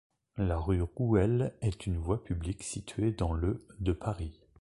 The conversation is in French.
La rue Rouelle est une voie publique située dans le de Paris.